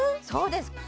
そうです